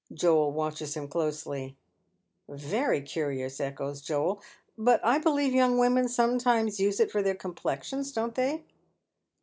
Joel watches him closely. "Very curious," echoes Joel, "but I believe young women sometimes use it for their complexions, don't they